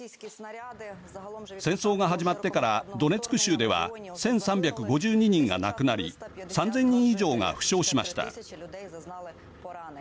戦争が始まってからドネツク州では１３５２人が亡くなり３０００人以上が負傷しました。